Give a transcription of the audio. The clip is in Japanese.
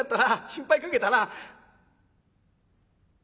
心配かけたな。